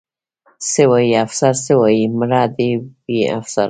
څه وایي؟ افسر څه وایي؟ مړه دې وي افسران.